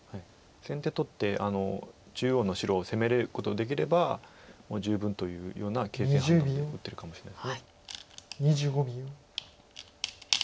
先手取って中央の白を攻めることができればもう十分というような形勢判断で打ってるかもしれないです。